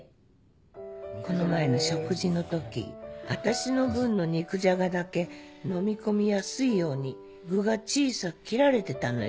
この前の食事のとき私の分の肉じゃがだけのみ込みやすいように具が小さく切られてたのよ。